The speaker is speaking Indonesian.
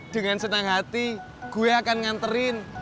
dengan senang hati gue akan nganterin